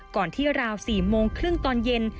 ก่อนที่ราว๔โมงครึ่งตอนเย็น